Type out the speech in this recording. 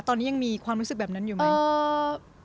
ตอนนี้ยังมีความรู้สึกแบบนั้นอยู่ไหม